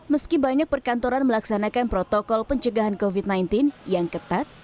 meski banyak perkantoran melaksanakan protokol pencegahan covid sembilan belas yang ketat